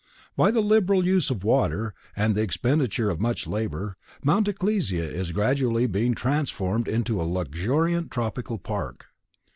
By the liberal use of water and the expenditure of much labor, Mount Ecclesia is gradually being transformed into a luxuriant tropical park.